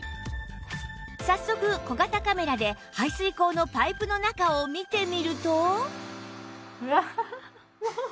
早速小型カメラで排水口のパイプの中を見てみると